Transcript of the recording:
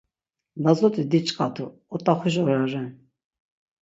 Lazut̆i diç̆kadu, ot̆axuş ora ren.